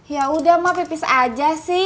yaudah mah pipis aja